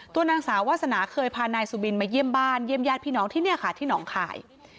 นางสาววาสนาเคยพานายสุบินมาเยี่ยมบ้านเยี่ยมญาติพี่น้องที่นี่ค่ะที่หนองคาย